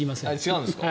違うんですか？